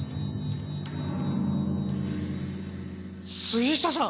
杉下さん！？